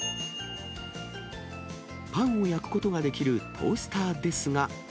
パンを焼くことができるトースターですが。